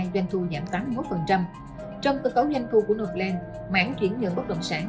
doanh thu giảm tám mươi một trong cơ cấu doanh thu của novaland mảng chuyển nhận bất động sản